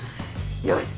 よし！